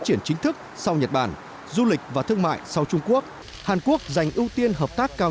triển nước sau nhật bản du lịch và thương mại sau trung quốc hàn quốc giành ưu tiên hợp tác cao